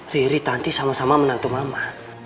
riri tanti sama sama menantu mama